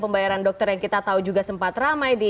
pembayaran dokter yang kita tahu juga sempat ramai di